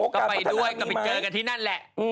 ก็ไปด้วยก็ไปเจอกันที่นั่นแหละ